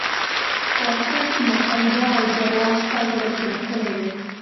خو افسوس چې مقام جاه او جلال ستا زړه کلک کړی دی.